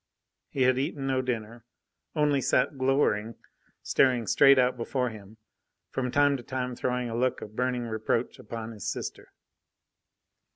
He had eaten no dinner, only sat glowering, staring straight out before him, from time to time throwing a look of burning reproach upon his sister.